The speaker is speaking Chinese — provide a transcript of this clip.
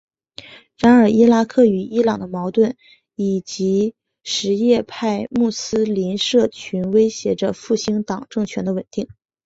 然而伊拉克与伊朗的矛盾以及什叶派穆斯林社群威胁着复兴党政权的稳定。